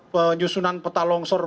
penyusunan peta longsor